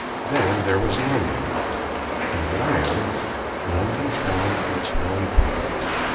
Then there was London. In Lamb London found its one poet.